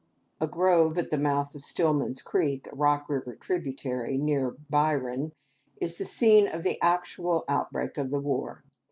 A grove at the mouth of Stillman's Creek, a Rock River tributary, near Byron, is the scene of the actual outbreak of the war.